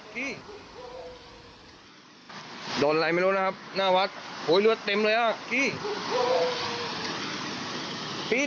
ก็แทงไม่แปลงไหนยังไงแปปีชี่ชม๑๔ตอนอีกปี